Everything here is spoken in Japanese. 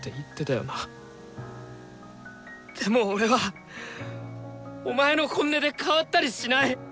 でも俺はお前の本音で変わったりしない！